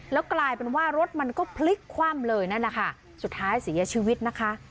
แล้วกลายเป็นว่ารถมันก็พลิกคว่ำเลยนั่นแหละค่ะสุดท้ายเสียชีวิตนะคะ